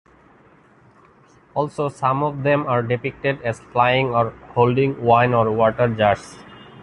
Also, some of them are depicted as flying or holding wine or water jars.